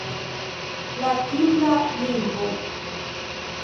La kimra lingvo.